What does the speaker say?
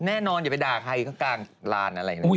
แน่นอนอย่าไปด่าใครข้างกลางร้านอะไรเนี่ย